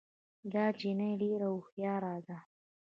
دا جینۍ ډېره هوښیاره ده